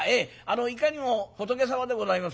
いかにも仏様でございます」。